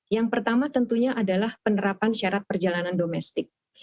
yang pertama tentunya adalah penerapan syarat perjalanan domestik